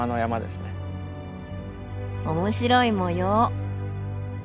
面白い模様。